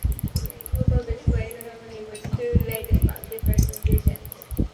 Locals explain the Carnival with two related but different legends.